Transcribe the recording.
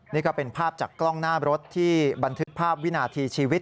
นี่ก็เป็นภาพจากกล้องหน้ารถที่บันทึกภาพวินาทีชีวิต